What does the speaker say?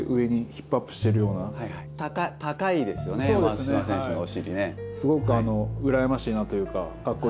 松島選手のお尻ね。